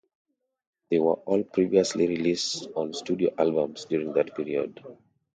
They were all previously released on studio albums during that period.